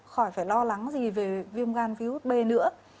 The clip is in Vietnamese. khỏi phải lo lắng gì về viêm gan virus b nữa